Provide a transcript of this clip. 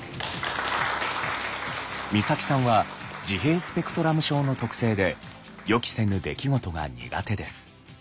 光沙季さんは自閉スペクトラム症の特性で予期せぬ出来事が苦手です。